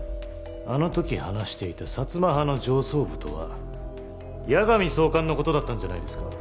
あの時話していた薩摩派の上層部とは矢上総監の事だったんじゃないですか？